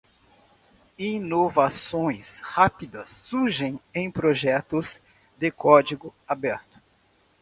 Inovações rápidas surgem em projetos de código aberto.